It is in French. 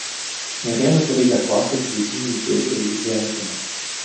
Mais rien n'autorise à croire que ces deux divinités aient eu rien de commun.